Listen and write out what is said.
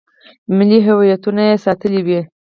ملي هویتونه یې ساتلي وي.